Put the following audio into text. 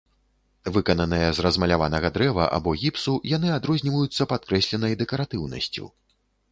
Выкананыя з размаляванага дрэва або гіпсу, яны адрозніваюцца падкрэсленай дэкаратыўнасцю.